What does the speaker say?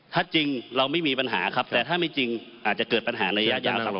ถ้าจริงเราไม่มีปัญหาครับแต่ถ้าไม่จริงอาจจะเกิดปัญหาระยะยาวตลอด